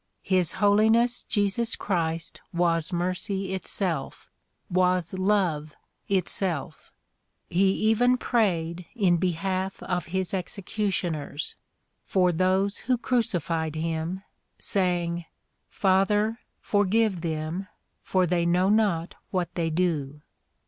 His Holiness Jesus Christ was mercy itself ; was love itself. He even prayed in behalf of his executioners, — for those who crucified him, saying "Father forgive them ; for they know not what they do."